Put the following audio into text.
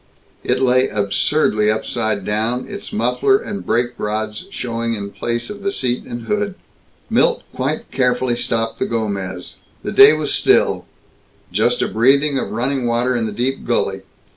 It lay absurdly upside down, its muffler and brake rods showing in place of the seat and hood. Milt quite carefully stopped the Gomez. The day was still just a breathing of running water in the deep gully.